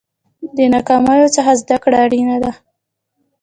د ناکامیو څخه زده کړه اړینه ده.